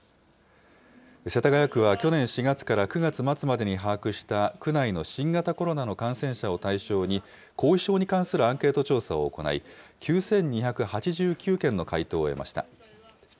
世田谷区は去年４月から９月末までに把握した区内の新型コロナの感染者を対象に、後遺症に関するアンケート調査を行い、９２８９件の回答を得ました。